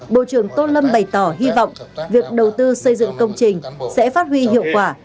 bộ trưởng tô lâm bày tỏ hy vọng việc đầu tư xây dựng công trình sẽ phát huy hiệu quả